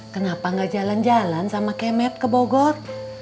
kenapa gak jalan jalan sama kemet ke bogor